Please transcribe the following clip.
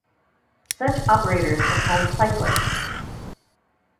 Such operators are called cyclic.